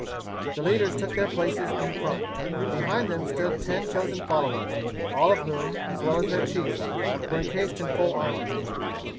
The leaders took their places in front. Behind them stood ten chosen followers, all of whom, as well as their chiefs, were encased in full armour.